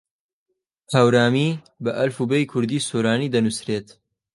هەورامی بە ئەلفوبێی کوردیی سۆرانی دەنووسرێت.